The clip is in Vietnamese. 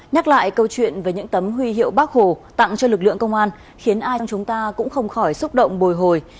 nhắc lại câu chuyện về những tấm huy hiệu bác hồ tặng cho lực lượng công an khiến ai chúng ta cũng không khỏi xúc động bồi hồi